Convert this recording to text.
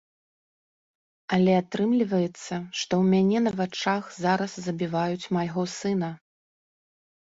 Але атрымліваецца, што ў мяне на вачах зараз забіваюць майго сына.